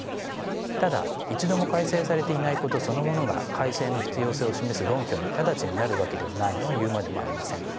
ただ一度も改正されていないことそのものが改正の必要性を示す論拠に直ちになるわけではないのは言うまでもありません。